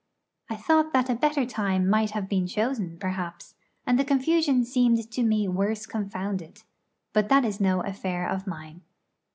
I thought that a better time might have been chosen, perhaps; and the confusion seemed to me worse confounded; but that is no affair of mine.